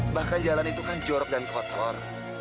bahkan jalan itu kan jorok dan kotor